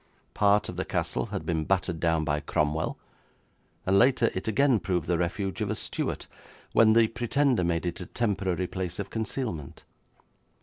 Part of the castle had been battered down by Cromwell, and later it again proved the refuge of a Stuart when the Pretender made it a temporary place of concealment.